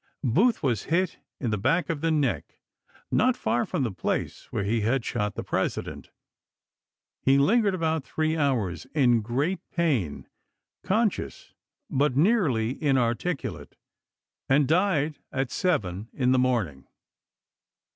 1 Booth was hit in the back of the neck, not far from the place where he had shot the President. He lingered about three hours in great pain, conscious but nearly inarticulate, and died at seven in the morning.